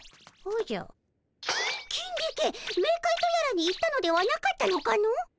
キンディケメーカイとやらに行ったのではなかったのかの？